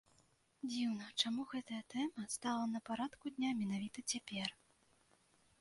Дзіўна, чаму гэтая тэма стала на парадку дня менавіта цяпер.